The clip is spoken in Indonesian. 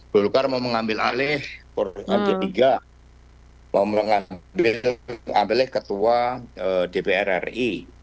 belukar mau mengambil alih kursi ketiga mau mengambil alih ketua dpr ri